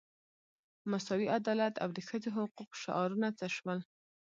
مساوي عدالت او د ښځو حقوقو شعارونه څه شول.